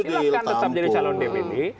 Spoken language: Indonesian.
tetap jadi calon dpd